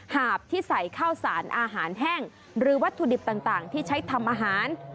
หาบที่ใส่ข้าวสารอาหารแห้งหรือวัตถุดิบต่างที่ใช้ทำอาหาร